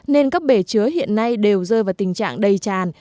nên các bể chứa hiện nay đều rơi vào tình trạng đầy tràn